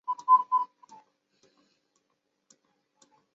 西科尔斯基宫是波兰首都华沙的一座历史建筑。